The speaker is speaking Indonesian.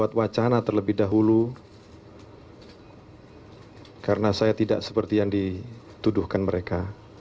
saya akan mencari pacaran terlebih dahulu karena saya tidak seperti yang dituduhkan mereka